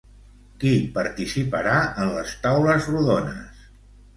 Qui participarà en les taules rodones?